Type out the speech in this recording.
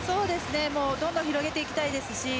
どんどん広げていきたいですし